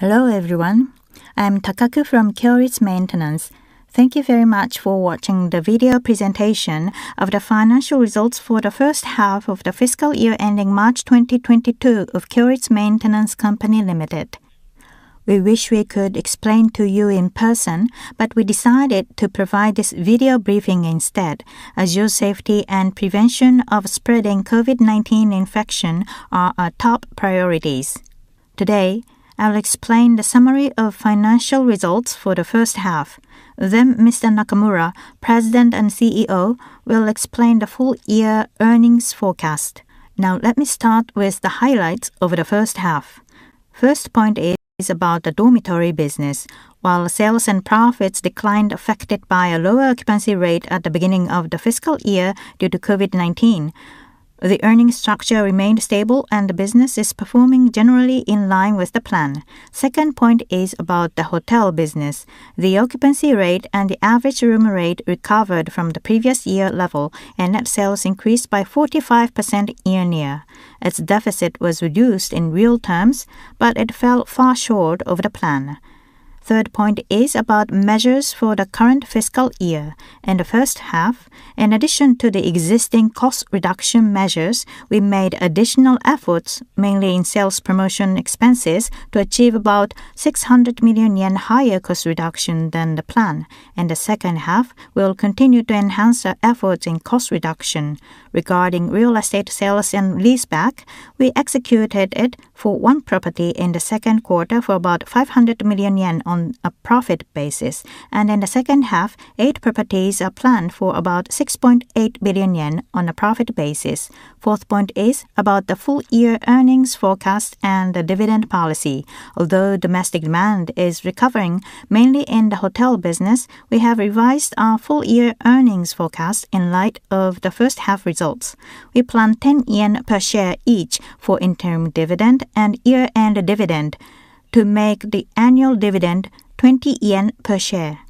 Hello, everyone. I'm Takaku from Kyoritsu Maintenance. Thank you very much for watching the video presentation of the financial results for the first half of the fiscal year ending March 2022 of Kyoritsu Maintenance Company Limited. We wish we could explain to you in person, but we decided to provide this video briefing instead, as your safety and prevention of spreading COVID-19 infection are our top priorities. Today, I'll explain the summary of financial results for the first half. Mr. Nakamura, President and CEO, will explain the full year earnings forecast. Now, let me start with the highlights of the first half. First point is about the dormitory business. While sales and profits declined affected by a lower occupancy rate at the beginning of the fiscal year due to COVID-19, the earnings structure remained stable, and the business is performing generally in line with the plan. Second point is about the hotel business. The occupancy rate and the average room rate recovered from the previous year level, and net sales increased by 45% year-on-year. Its deficit was reduced in real terms, but it fell far short of the plan. Third point is about measures for the current fiscal year. In the first half, in addition to the existing cost reduction measures, we made additional efforts, mainly in sales promotion expenses, to achieve about 600 million yen higher cost reduction than the plan. In the second half, we will continue to enhance our efforts in cost reduction. Regarding real estate sales and leaseback, we executed it for one property in the second quarter for about 500 million yen on a profit basis. In the second half, eight properties are planned for about 6.8 billion yen on a profit basis. Fourth point is about the full year earnings forecast and the dividend policy. Although domestic demand is recovering, mainly in the hotel business, we have revised our full-year earnings forecast in light of the first half results. We plan 10 yen per share each for interim dividend and year-end dividend to make the annual dividend 20 yen per share.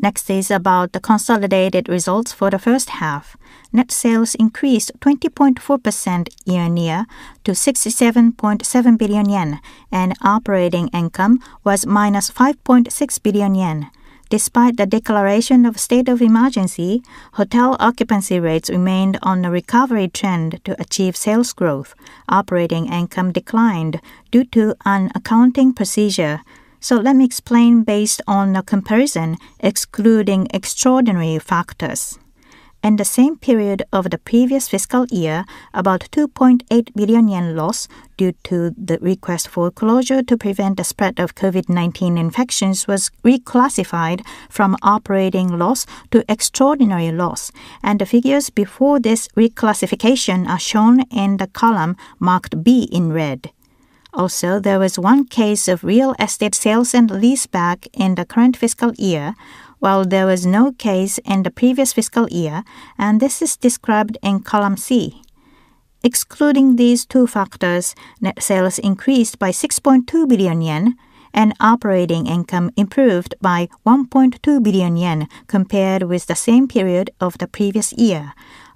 Next is about the consolidated results for the first half. Net sales increased 20.4% year-on-year to 67.7 billion yen, and operating income was -5.6 billion yen. Despite the declaration of state of emergency, hotel occupancy rates remained on a recovery trend to achieve sales growth. Operating income declined due to an accounting procedure. Let me explain based on a comparison excluding extraordinary factors. In the same period of the previous fiscal year, about 2.8 billion yen loss due to the request for closure to prevent the spread of COVID-19 infections was reclassified from operating loss to extraordinary loss. The figures before this reclassification are shown in the column marked B in red. There was one case of real estate sales and leaseback in the current fiscal year, while there was no case in the previous fiscal year, and this is described in column C. Excluding these two factors, net sales increased by 6.2 billion yen, and operating income improved by 1.2 billion yen compared with the same period of the previous year.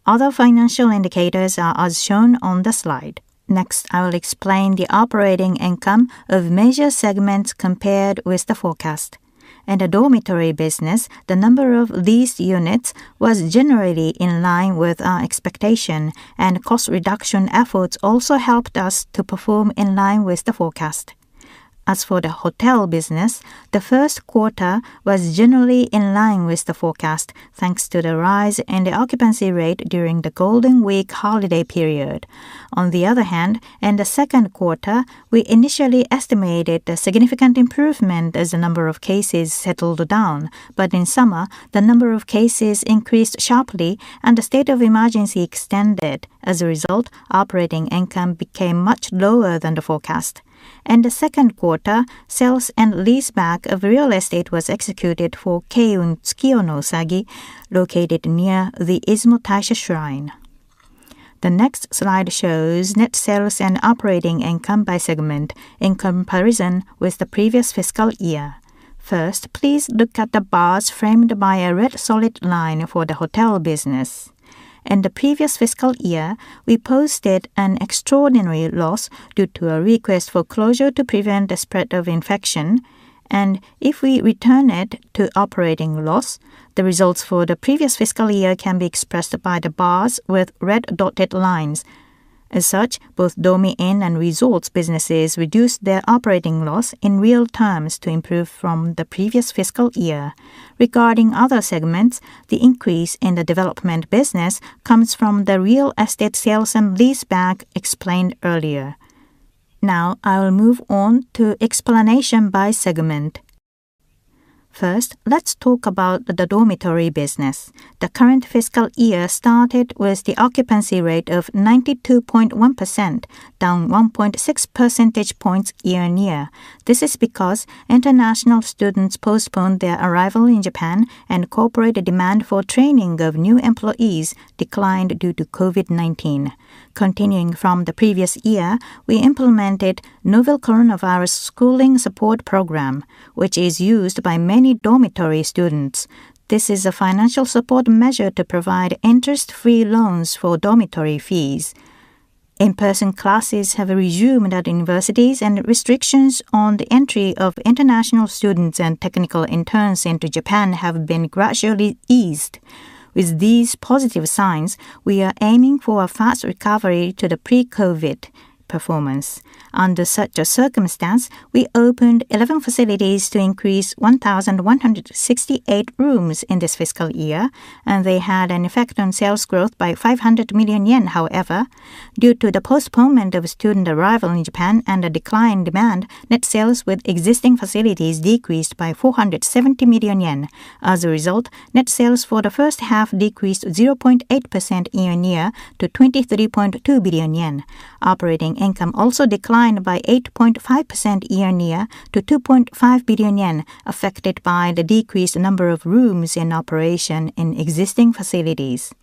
Other financial indicators are as shown on the slide. Next, I will explain the operating income of major segments compared with the forecast. In the dormitory business, the number of leased units was generally in line with our expectation, and cost reduction efforts also helped us to perform in line with the forecast. As for the hotel business, the first quarter was generally in line with the forecast, thanks to the rise in the occupancy rate during the Golden Week holiday period. On the other hand, in the second quarter, we initially estimated a significant improvement as the number of cases settled down. In summer, the number of cases increased sharply, and the state of emergency extended. As a result, operating income became much lower than the forecast. In the second quarter, sales and leaseback of real estate was executed for Keiun Tsuki no Usagi, located near the Izumo Taisha Shrine. The next slide shows net sales and operating income by segment in comparison with the previous fiscal year. First, please look at the bars framed by a red solid line for the hotel business. In the previous fiscal year, we posted an extraordinary loss due to a request for closure to prevent the spread of infection. If we return it to operating loss, the results for the previous fiscal year can be expressed by the bars with red dotted lines. As such, both Dormy Inn and Resorts businesses reduced their operating loss in real terms to improve from the previous fiscal year. Regarding other segments, the increase in the development business comes from the real estate sales and leaseback explained earlier. Now I will move on to explanation by segment. First, let's talk about the dormitory business. The current fiscal year started with the occupancy rate of 92.1%, down 1.6 percentage points year-on-year. This is because international students postponed their arrival in Japan, and corporate demand for training of new employees declined due to COVID-19. Continuing from the previous year, we implemented Novel Coronavirus Schooling Support Program, which is used by many dormitory students. This is a financial support measure to provide interest-free loans for dormitory fees. In-person classes have resumed at universities, and restrictions on the entry of international students and technical interns into Japan have been gradually eased. With these positive signs, we are aiming for a fast recovery to the pre-COVID performance. Under such a circumstance, we opened 11 facilities to increase 1,168 rooms in this fiscal year, and they had an effect on sales growth by 500 million yen. However, due to the postponement of student arrival in Japan and a decline in demand, net sales with existing facilities decreased by 470 million yen. As a result, net sales for the first half decreased 0.8% year-on-year to 23.2 billion yen. Operating income also declined by 8.5% year-on-year to 2.5 billion yen, affected by the decreased number of rooms in operation in existing facilities.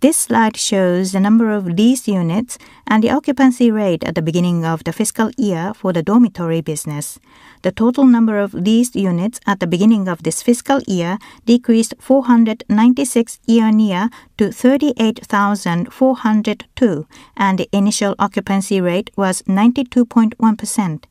This slide shows the number of leased units and the occupancy rate at the beginning of the fiscal year for the dormitory business. The total number of leased units at the beginning of this fiscal year decreased 496 year-on-year to 38,402, and the initial occupancy rate was 92.1%.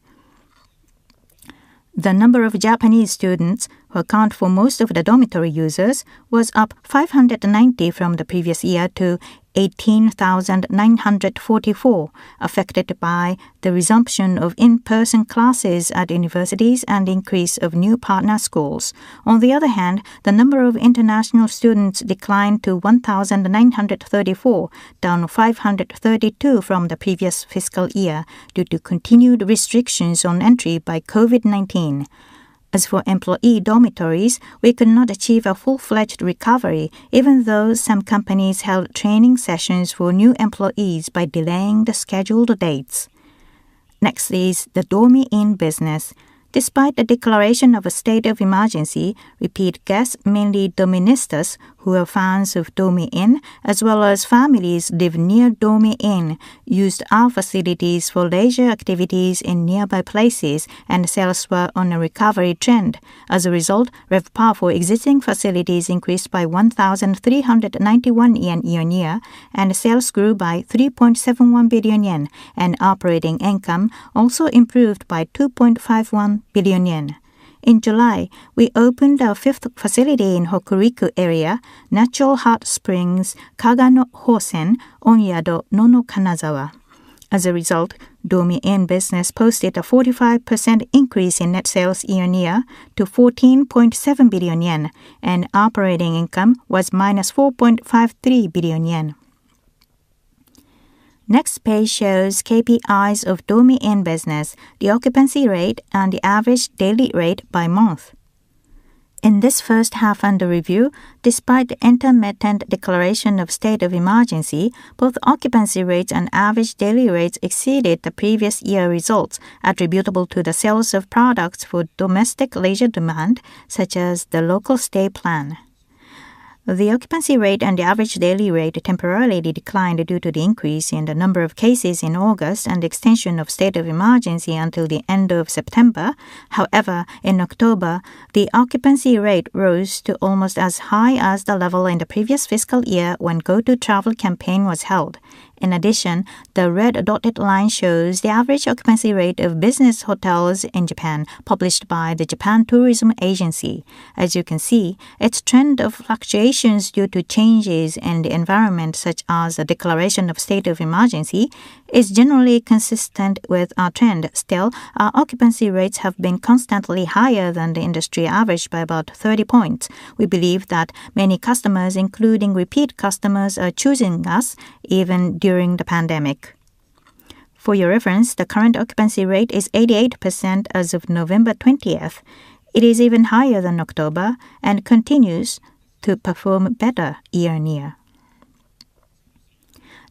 The number of Japanese students, who account for most of the dormitory users, was up 590 from the previous year to 18,944, affected by the resumption of in-person classes at universities and increase of new partner schools. On the other hand, the number of international students declined to 1,934, down 532 from the previous fiscal year, due to continued restrictions on entry by COVID-19. As for employee dormitories, we could not achieve a full-fledged recovery, even though some companies held training sessions for new employees by delaying the scheduled dates. Next is the Dormy Inn business. Despite the declaration of a state of emergency, repeat guests, mainly Doministas, who are fans of Dormy Inn, as well as families live near Dormy Inn, used our facilities for leisure activities in nearby places and sales were on a recovery trend. As a result, RevPAR for existing facilities increased by 1,391 yen year-on-year, and sales grew by 3.71 billion yen, and operating income also improved by 2.51 billion yen. In July, we opened our fifth facility in Hokuriku area, Kaga no Hosen Onyado Nono Kanazawa. As a result, Dormy Inn business posted a 45% increase in net sales year-on-year to 14.7 billion yen, and operating income was -4.53 billion yen. Next page shows KPIs of Dormy Inn business, the occupancy rate and the average daily rate by month. In this first half under review, despite the intermittent declaration of state of emergency, both occupancy rates and average daily rates exceeded the previous year results attributable to the sales of products for domestic leisure demand, such as the local stay plan. The occupancy rate and the average daily rate temporarily declined due to the increase in the number of cases in August and the extension of state of emergency until the end of September. However, in October, the occupancy rate rose to almost as high as the level in the previous fiscal year when Go To Travel campaign was held. In addition, the red dotted line shows the average occupancy rate of business hotels in Japan published by the Japan Tourism Agency. As you can see, its trend of fluctuations due to changes in the environment, such as the declaration of state of emergency, is generally consistent with our trend. Still, our occupancy rates have been constantly higher than the industry average by about 30 points. We believe that many customers, including repeat customers, are choosing us even during the pandemic. For your reference, the current occupancy rate is 88% as of November 20th. It is even higher than October and continues to perform better year-on-year.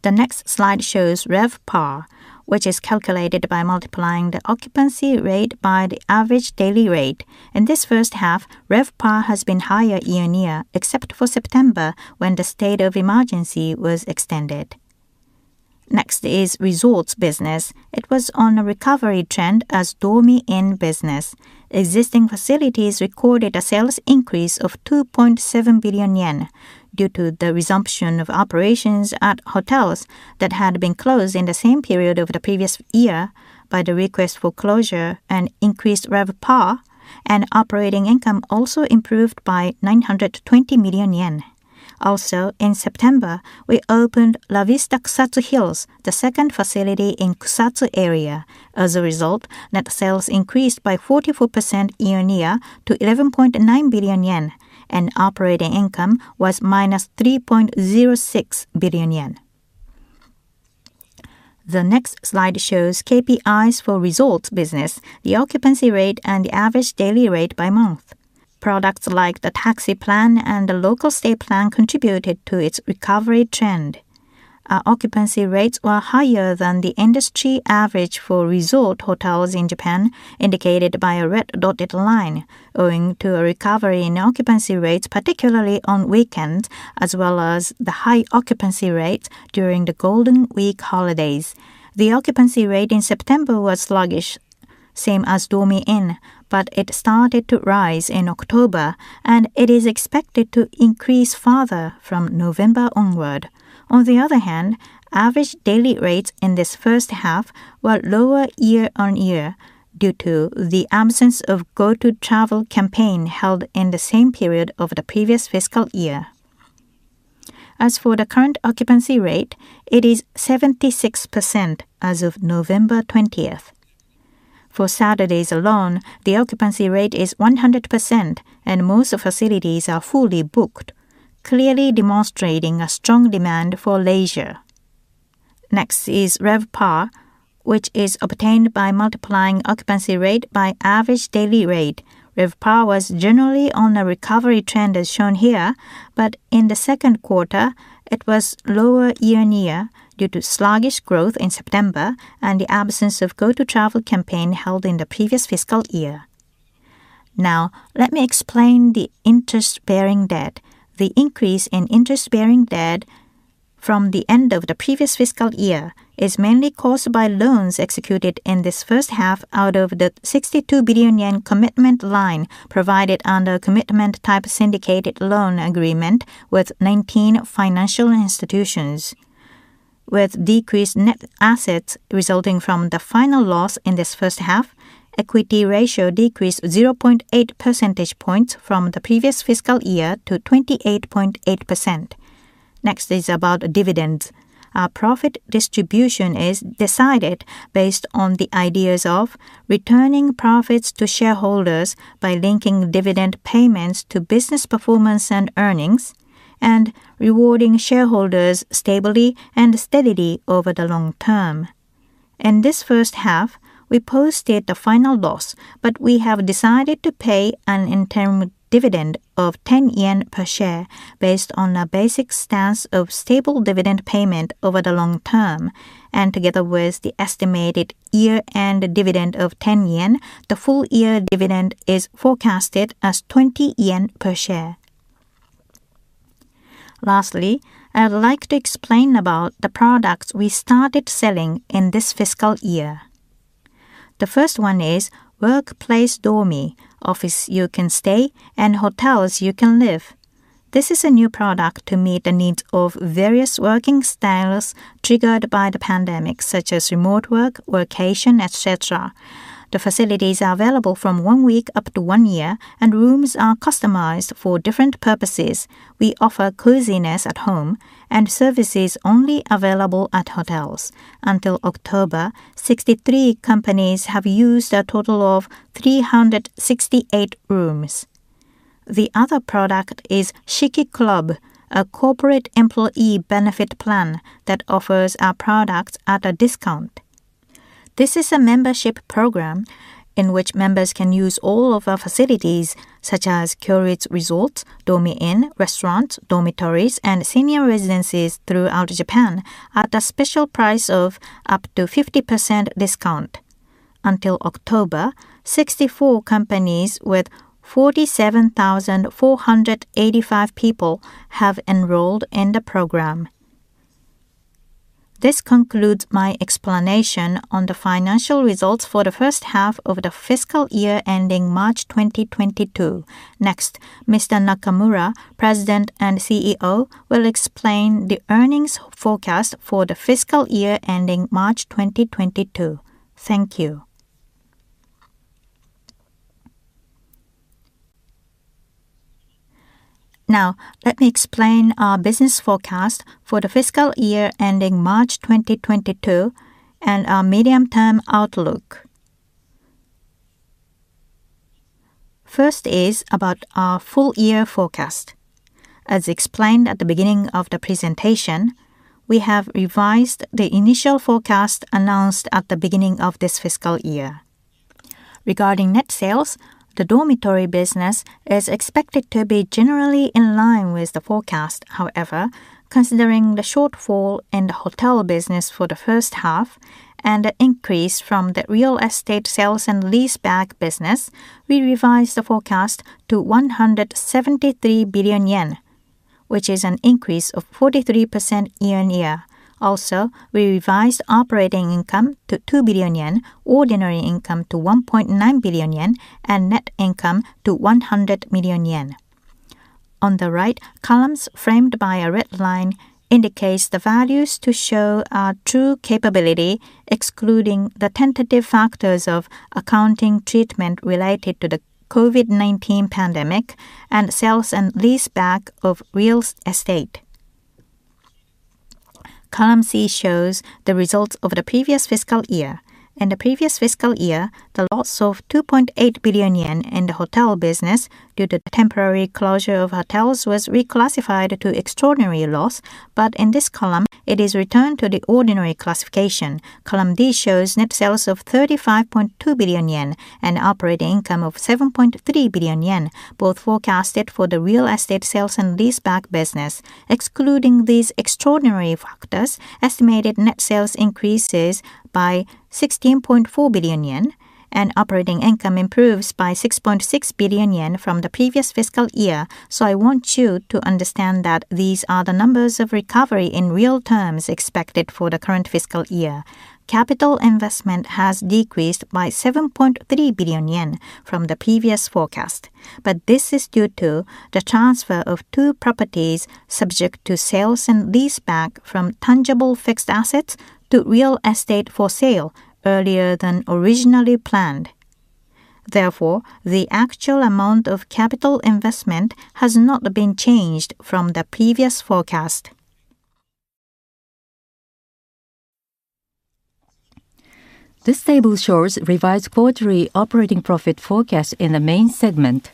The next slide shows RevPAR, which is calculated by multiplying the occupancy rate by the average daily rate. In this first half, RevPAR has been higher year-on-year, except for September, when the state of emergency was extended. Next is resorts business. It was on a recovery trend as Dormy Inn business. Existing facilities recorded a sales increase of 2.7 billion yen due to the resumption of operations at hotels that had been closed in the same period of the previous year by the request for closure, and increased RevPAR, and operating income also improved by 920 million yen. Also, in September, we opened La Vista Kusatsu Hills, the second facility in Kusatsu area. As a result, net sales increased by 44% year-on-year to 11.9 billion yen, and operating income was -3.06 billion yen. The next slide shows KPIs for resorts business, the occupancy rate and the average daily rate by month. Products like the taxi plan and the local stay plan contributed to its recovery trend. Our occupancy rates were higher than the industry average for resort hotels in Japan, indicated by a red dotted line, owing to a recovery in occupancy rates, particularly on weekends, as well as the high occupancy rates during the Golden Week holidays. The occupancy rate in September was sluggish. Same as Dormy Inn, but it started to rise in October, and it is expected to increase further from November onward. On the other hand, average daily rates in this first half were lower year-on-year due to the absence of Go To Travel campaign held in the same period of the previous fiscal year. As for the current occupancy rate, it is 76% as of November 20th. For Saturdays alone, the occupancy rate is 100%, and most facilities are fully booked, clearly demonstrating a strong demand for leisure. Next is RevPAR, which is obtained by multiplying occupancy rate by average daily rate. RevPAR was generally on a recovery trend, as shown here, but in the second quarter, it was lower year-on-year due to sluggish growth in September and the absence of Go To Travel campaign held in the previous fiscal year. Now, let me explain the interest-bearing debt. The increase in interest-bearing debt from the end of the previous fiscal year is mainly caused by loans executed in this first half out of the 62 billion yen commitment line provided under commitment-type syndicated loan agreement with 19 financial institutions. With decreased net assets resulting from the final loss in this first half, equity ratio decreased 0.8 percentage points from the previous fiscal year to 28.8%. Next is about dividends. Our profit distribution is decided based on the ideas of returning profits to shareholders by linking dividend payments to business performance and earnings, and rewarding shareholders stably and steadily over the long term. In this first half, we posted a final loss, but we have decided to pay an interim dividend of 10 yen per share based on a basic stance of stable dividend payment over the long term. Together with the estimated year-end dividend of 10 yen, the full-year dividend is forecasted as 20 yen per share. Lastly, I would like to explain about the products we started selling in this fiscal year. The first one is Workplace Dormy. Office You Can Stay and Hotels You Can Live. This is a new product to meet the needs of various working styles triggered by the pandemic, such as remote work, workcation, et cetera. The facilities are available from one week up to one year, and rooms are customized for different purposes. We offer coziness at home and services only available at hotels. Until October, 63 companies have used a total of 368 rooms. The other product is Shiki Club, a corporate employee benefit plan that offers our products at a discount. This is a membership program in which members can use all of our facilities, such as Kyoritsu Resorts, Dormy Inn, restaurants, dormitories, and senior residences throughout Japan at a special price of up to 50% discount. Until October, 64 companies with 47,485 people have enrolled in the program. This concludes my explanation on the financial results for the first half of the fiscal year ending March 2022. Next, Mr. Nakamura, President and CEO, will explain the earnings forecast for the fiscal year ending March 2022. Thank you. Now let me explain our business forecast for the fiscal year ending March 2022, and our medium-term outlook. First is about our full-year forecast. As explained at the beginning of the presentation, we have revised the initial forecast announced at the beginning of this fiscal year. Regarding net sales, the dormitory business is expected to be generally in line with the forecast. However, considering the shortfall in the hotel business for the first half and the increase from the real estate sales and leaseback business, we revised the forecast to 173 billion yen, which is an increase of 43% year-on-year. Also, we revised operating income to 2 billion yen, ordinary income to 1.9 billion yen and net income to 100 million yen. On the right, columns framed by a red line indicate the values to show our true capability, excluding the tentative factors of accounting treatment related to the COVID-19 pandemic and sales and leaseback of real estate. Column C shows the results of the previous fiscal year. In the previous fiscal year, the loss of 2.8 billion yen in the hotel business due to temporary closure of hotels was reclassified to extraordinary loss. In this column, it is returned to the ordinary classification. Column D shows net sales of 35.2 billion yen and operating income of 7.3 billion yen, both forecasted for the real estate sales and leaseback business. Excluding these extraordinary factors, estimated net sales increases by 16.4 billion yen, and operating income improves by 6.6 billion yen from the previous fiscal year. I want you to understand that these are the numbers of recovery in real terms expected for the current fiscal year. Capital investment has decreased by 7.3 billion yen from the previous forecast, but this is due to the transfer of two properties subject to sales and leaseback from tangible fixed assets to real estate for sale earlier than originally planned. Therefore, the actual amount of capital investment has not been changed from the previous forecast. This table shows revised quarterly operating profit forecast in the main segment.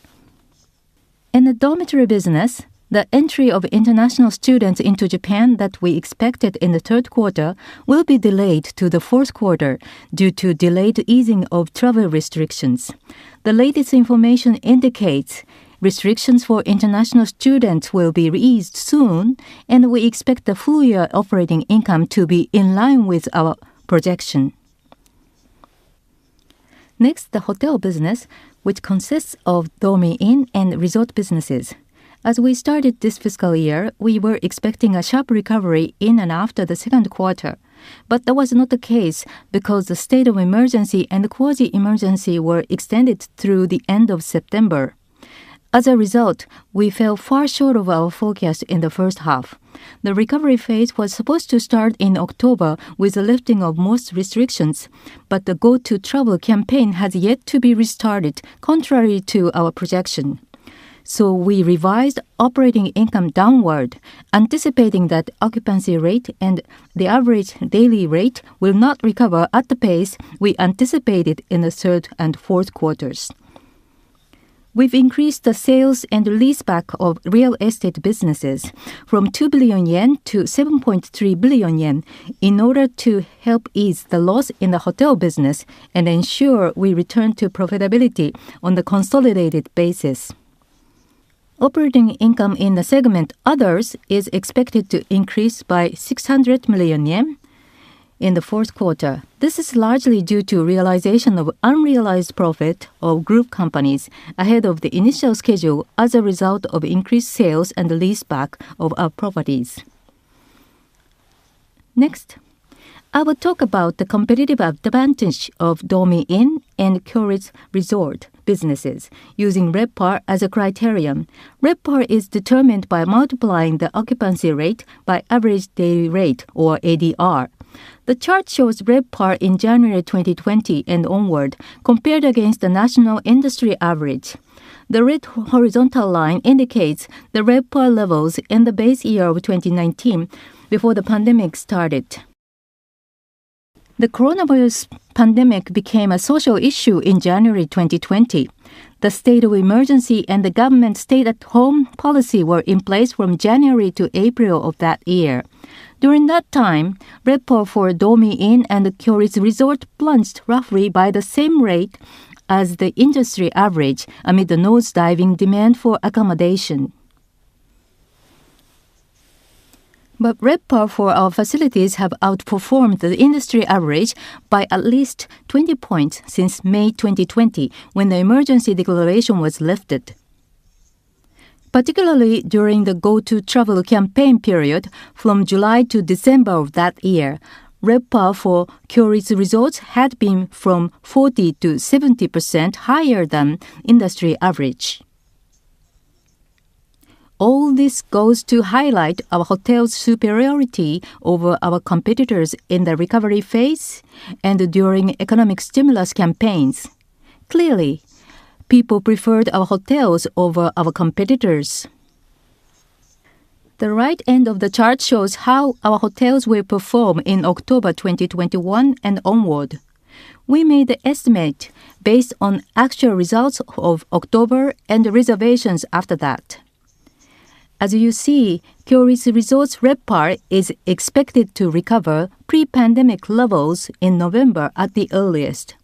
In the dormitory business, the entry of international students into Japan that we expected in the third quarter will be delayed to the fourth quarter due to delayed easing of travel restrictions. The latest information indicates restrictions for international students will be eased soon, and we expect the full-year operating income to be in line with our projection. Next, the hotel business, which consists of Dormy Inn and resort businesses. As we started this fiscal year, we were expecting a sharp recovery in and after the second quarter. That was not the case because the state of emergency and the quasi-emergency were extended through the end of September. As a result, we fell far short of our forecast in the first half. The recovery phase was supposed to start in October with the lifting of most restrictions, but the Go To Travel campaign has yet to be restarted, contrary to our projection. We revised operating income downward, anticipating that occupancy rate and the average daily rate will not recover at the pace we anticipated in the third and fourth quarters. We've increased the sales and leaseback of real estate businesses from 2 billion yen to 7.3 billion yen in order to help ease the loss in the hotel business and ensure we return to profitability on the consolidated basis. Operating income in the segment Others is expected to increase by 600 million yen in the fourth quarter. This is largely due to realization of unrealized profit of group companies ahead of the initial schedule as a result of increased sales and the leaseback of our properties. Next, I will talk about the competitive advantage of Dormy Inn and Kyoritsu Resort businesses using RevPAR as a criterion. RevPAR is determined by multiplying the occupancy rate by average daily rate, or ADR. The chart shows RevPAR in January 2020 and onward compared against the national industry average. The red horizontal line indicates the RevPAR levels in the base year of 2019 before the pandemic started. The coronavirus pandemic became a social issue in January 2020. The state of emergency and the government's stay-at-home policy were in place from January to April of that year. During that time, RevPAR for Dormy Inn and Kyoritsu Resort plunged roughly by the same rate as the industry average amid the nosediving demand for accommodation. RevPAR for our facilities have outperformed the industry average by at least 20 points since May 2020, when the emergency declaration was lifted. Particularly during the Go To Travel campaign period from July to December of that year, RevPAR for Kyoritsu Resorts had been from 40%-70% higher than industry average. All this goes to highlight our hotel's superiority over our competitors in the recovery phase and during economic stimulus campaigns. Clearly, people preferred our hotels over our competitors. The right end of the chart shows how our hotels will perform in October 2021 and onward. We made the estimate based on actual results of October and the reservations after that. As you see, Kyoritsu Resorts RevPAR is expected to recover pre-pandemic levels in November at the earliest.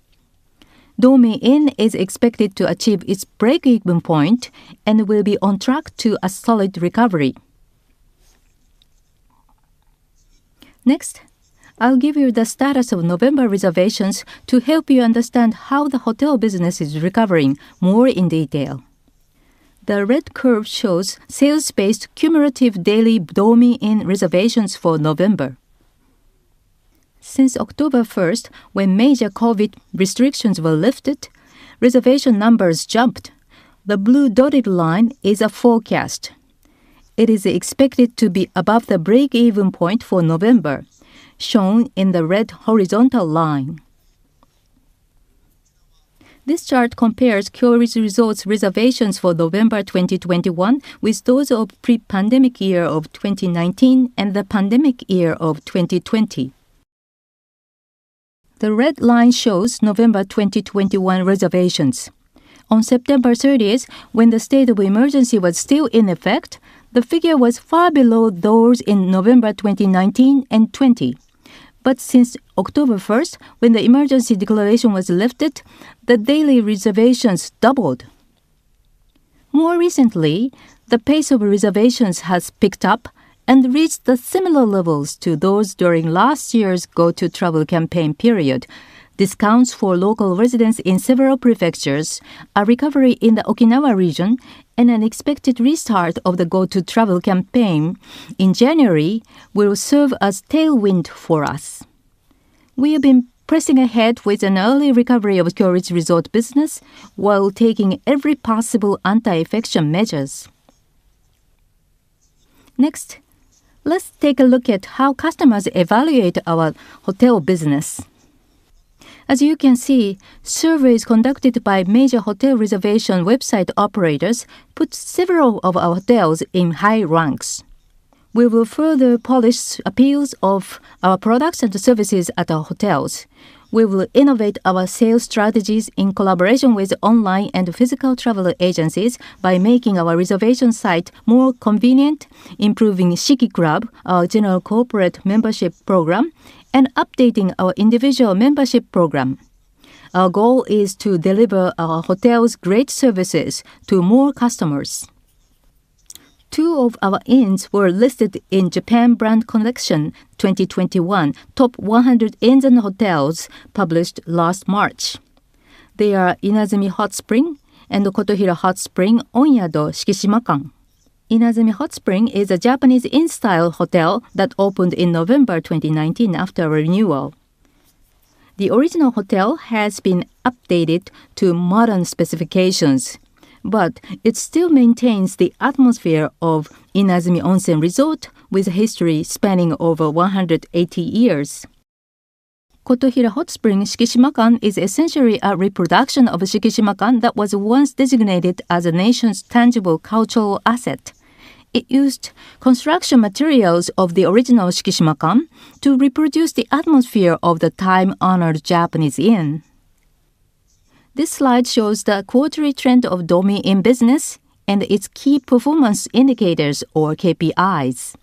Dormy Inn is expected to achieve its break-even point and will be on track to a solid recovery. Next, I'll give you the status of November reservations to help you understand how the hotel business is recovering more in detail. The red curve shows sales-based cumulative daily Dormy Inn reservations for November. Since October 1st, when major COVID restrictions were lifted, reservation numbers jumped. The blue dotted line is a forecast. It is expected to be above the break-even point for November, shown in the red horizontal line. This chart compares Kyoritsu Resort's reservations for November 2021 with those of pre-pandemic year of 2019 and the pandemic year of 2020. The red line shows November 2021 reservations. On September 30th, when the state of emergency was still in effect, the figure was far below those in November 2019 and 2020. Since October 1, when the emergency declaration was lifted, the daily reservations doubled. More recently, the pace of reservations has picked up and reached the similar levels to those during last year's Go To Travel campaign period. Discounts for local residents in several prefectures, a recovery in the Okinawa region, and an expected restart of the Go To Travel campaign in January will serve as tailwind for us. We have been pressing ahead with an early recovery of Kyoritsu Resort business while taking every possible anti-infection measures. Next, let's take a look at how customers evaluate our hotel business. As you can see, surveys conducted by major hotel reservation website operators put several of our hotels in high ranks. We will further polish appeals of our products and services at our hotels. We will innovate our sales strategies in collaboration with online and physical travel agencies by making our reservation site more convenient, improving Shiki Club, our general corporate membership program, and updating our individual membership program. Our goal is to deliver our hotel's great services to more customers. Two of our inns were listed in Japan Brand Collection 2021, Top 100 Inns and Hotels, published last March. They are Inazumi Hot Spring and Kotohira Hot Spring, Onyado Shikishimakan. Inazumi Hot Spring is a Japanese inn-style hotel that opened in November 2019 after renewal. The original hotel has been updated to modern specifications, but it still maintains the atmosphere of Inazumi Onsen Resort with a history spanning over 180 years. Kotohira Hot Spring Shikishimakan is essentially a reproduction of a Shikishimakan that was once designated as a nation's tangible cultural asset. It used construction materials of the original Shikishimakan to reproduce the atmosphere of the time-honoured Japanese inn. This slide shows the quarterly trend of Dormy Inn business and its key performance indicators or KPIs.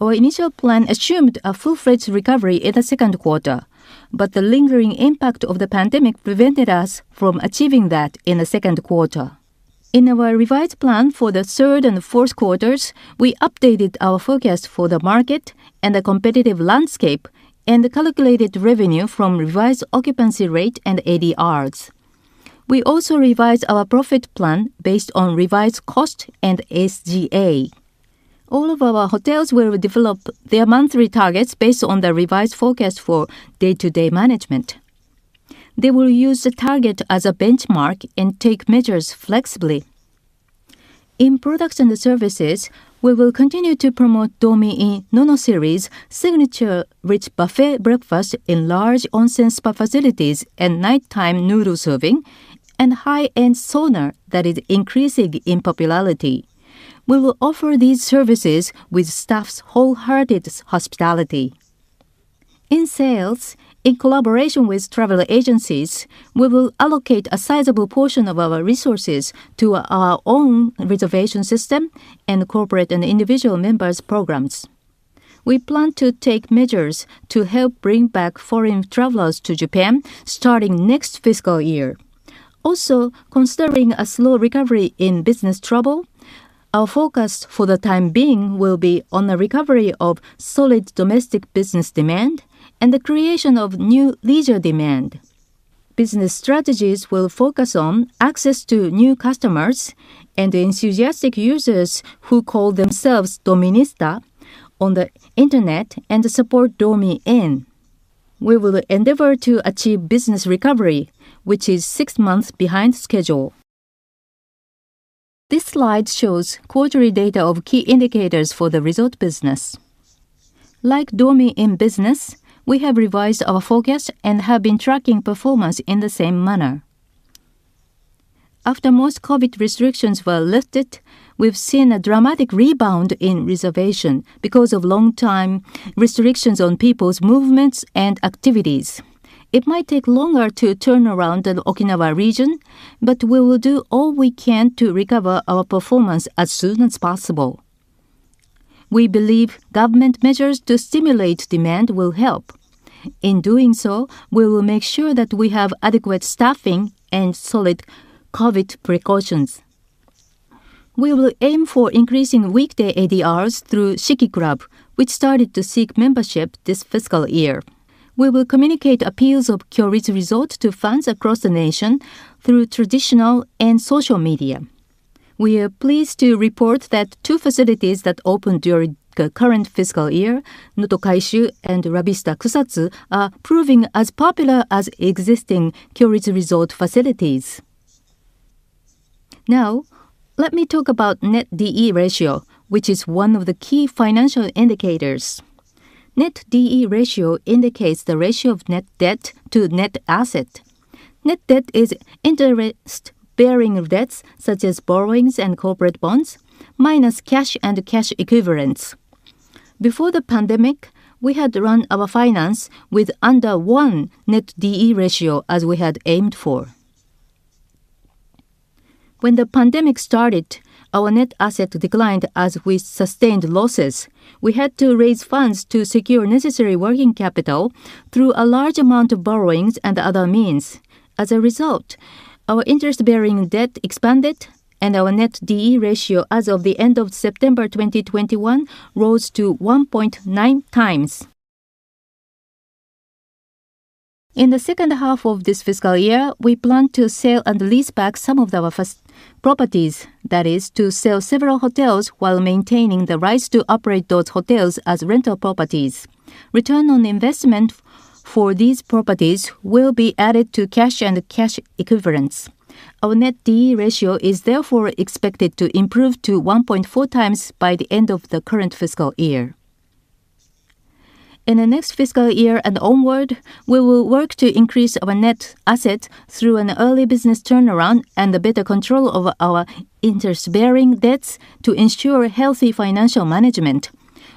Our initial plan assumed a full freight recovery in the second quarter, but the lingering impact of the pandemic prevented us from achieving that in the second quarter. In our revised plan for the third and fourth quarters, we updated our forecast for the market and the competitive landscape and calculated revenue from revised occupancy rate and ADRs. We also revised our profit plan based on revised cost and SG&A. All of our hotels will develop their monthly targets based on the revised forecast for day-to-day management. They will use the target as a benchmark and take measures flexibly. In products and services, we will continue to promote Dormy Inn Nono series, signature rich buffet breakfast in large onsen spa facilities, and nighttime noodle serving, and high-end sauna that is increasing in popularity. We will offer these services with staff's wholehearted hospitality. In sales, in collaboration with travel agencies, we will allocate a sizable portion of our resources to our own reservation system and corporate and individual members' programs. We plan to take measures to help bring back foreign travellers to Japan starting next fiscal year. Also, considering a slow recovery in business travel, our focus for the time being will be on the recovery of solid domestic business demand and the creation of new leisure demand. Business strategies will focus on access to new customers and the enthusiastic users who call themselves Dominista on the Internet and support Dormy Inn. We will endeavour to achieve business recovery, which is six months behind schedule. This slide shows quarterly data of key indicators for the resort business. Like Dormy Inn business, we have revised our forecast and have been tracking performance in the same manner. After most COVID restrictions were lifted, we've seen a dramatic rebound in reservations because of long-time restrictions on people's movements and activities. It might take longer to turn around the Okinawa region, but we will do all we can to recover our performance as soon as possible. We believe government measures to stimulate demand will help. In doing so, we will make sure that we have adequate staffing and solid COVID precautions. We will aim for increasing weekday ADRs through Shiki Club, which started to seek membership this fiscal year. We will communicate appeals of Kyoritsu Resort to fans across the nation through traditional and social media. We are pleased to report that two facilities that opened during the current fiscal year, Noto Kaishu and La Vista Kusatsu Hills, are proving as popular as existing Kyoritsu Resort facilities. Now, let me talk about net D/E ratio, which is one of the key financial indicators. Net D/E ratio indicates the ratio of net debt to net asset. Net debt is interest-bearing debts, such as borrowings and corporate bonds, minus cash and cash equivalents. Before the pandemic, we had run our finance with under one net D/E ratio, as we had aimed for. When the pandemic started, our net asset declined as we sustained losses. We had to raise funds to secure necessary working capital through a large amount of borrowings and other means. As a result, our interest-bearing debt expanded, and our net D/E ratio as of the end of September 2021 rose to 1.9 times. In the second half of this fiscal year, we plan to sell and lease back some of our first properties. That is, to sell several hotels while maintaining the rights to operate those hotels as rental properties. Return on investment for these properties will be added to cash and cash equivalents. Our net D/E ratio is therefore expected to improve to 1.4 times by the end of the current fiscal year. In the next fiscal year and onward, we will work to increase our net assets through an early business turnaround and a better control over our interest-bearing debts to ensure healthy financial management.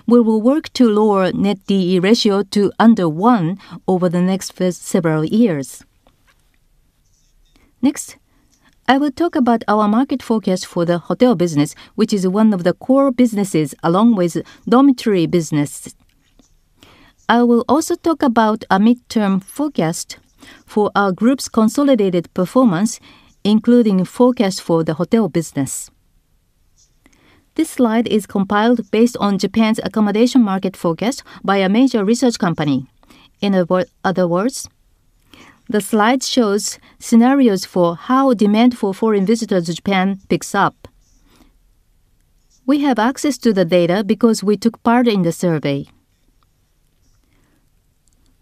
We will work to lower net D/E ratio to under one over the next several years. Next, I will talk about our market forecast for the hotel business, which is one of the core businesses along with dormitory business. I will also talk about a midterm forecast for our group's consolidated performance, including forecast for the hotel business. This slide is compiled based on Japan's accommodation market forecast by a major research company. In other words, the slide shows scenarios for how demand for foreign visitors to Japan picks up. We have access to the data because we took part in the survey.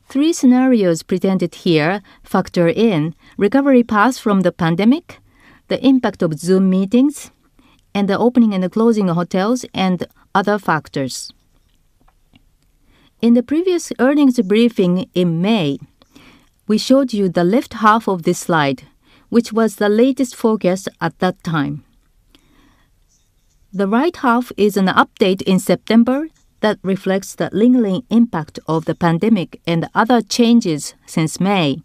Three scenarios presented here factor in recovery paths from the pandemic, the impact of Zoom meetings, and the opening and the closing of hotels and other factors. In the previous earnings briefing in May, we showed you the left half of this slide, which was the latest forecast at that time. The right half is an update in September that reflects the lingering impact of the pandemic and other changes since May.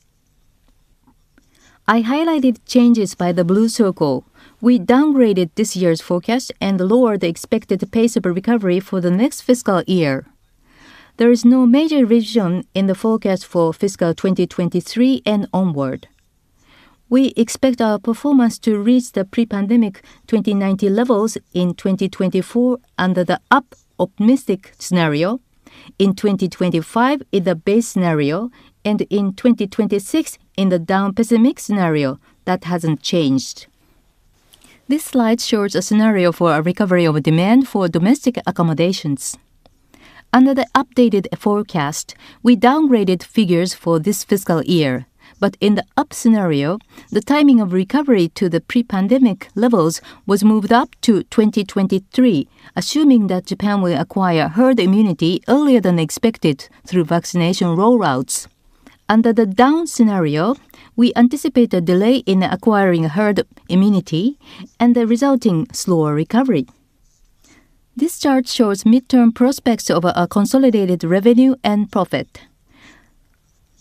I highlighted changes by the blue circle. We downgraded this year's forecast and lowered the expected pace of recovery for the next fiscal year. There is no major revision in the forecast for fiscal 2023 and onward. We expect our performance to reach the pre-pandemic 2019 levels in 2024 under the up optimistic scenario, in 2025 in the base scenario, and in 2026 in the down pessimistic scenario. That hasn't changed. This slide shows a scenario for a recovery of demand for domestic accommodations. Under the updated forecast, we downgraded figures for this fiscal year, but in the up scenario, the timing of recovery to the pre-pandemic levels was moved up to 2023, assuming that Japan will acquire herd immunity earlier than expected through vaccination rollouts. Under the down scenario, we anticipate a delay in acquiring herd immunity and the resulting slower recovery. This chart shows midterm prospects of our consolidated revenue and profit.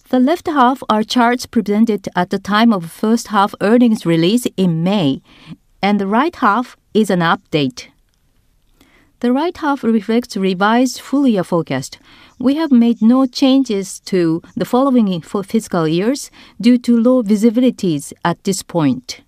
The left half are charts presented at the time of first half earnings release in May, and the right half is an update. The right half reflects revised full-year forecast. We have made no changes to the following four fiscal years due to low visibilities at this point.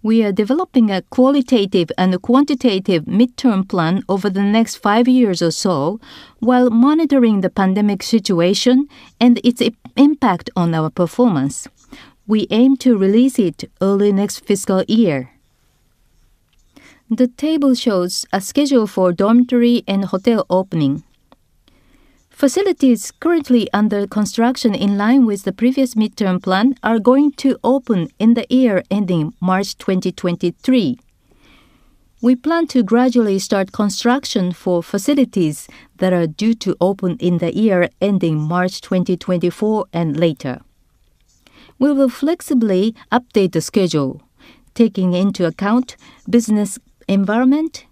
We are developing a qualitative and quantitative midterm plan over the next five years or so while monitoring the pandemic situation and its impact on our performance. We aim to release it early next fiscal year. The table shows a schedule for dormitory and hotel opening. Facilities currently under construction in line with the previous midterm plan are going to open in the year ending March 2023. We plan to gradually start construction for facilities that are due to open in the year ending March 2024 and later. We will flexibly update the schedule, taking into account business environment,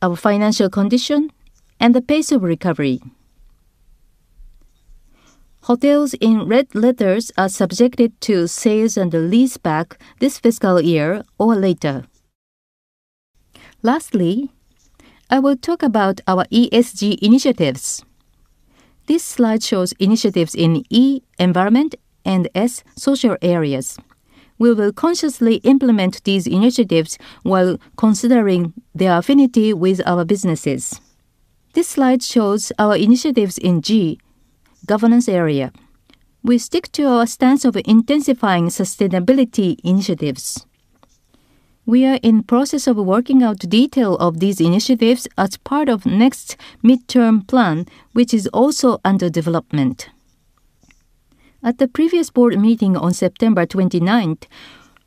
our financial condition, and the pace of recovery. Hotels in red letters are subjected to sales and the leaseback this fiscal year or later. Lastly, I will talk about our ESG initiatives. This slide shows initiatives in E, environment, and S, social areas. We will consciously implement these initiatives while considering their affinity with our businesses. This slide shows our initiatives in G, governance area. We stick to our stance of intensifying sustainability initiatives. We are in process of working out detail of these initiatives as part of next midterm plan, which is also under development. At the previous board meeting on September 29th,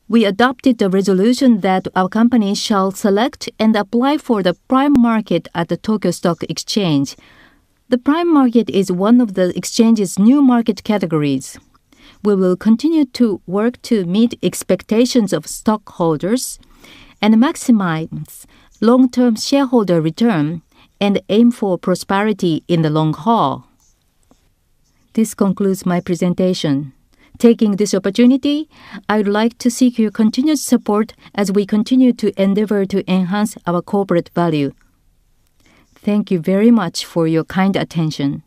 we adopted the resolution that our company shall select and apply for the Prime Market at the Tokyo Stock Exchange. The Prime Market is one of the exchange's new market categories. We will continue to work to meet expectations of stockholders and maximize long-term shareholder return, and aim for prosperity in the long haul. This concludes my presentation. Taking this opportunity, I would like to seek your continuous support as we continue to endeavour to enhance our corporate value. Thank you very much for your kind attention.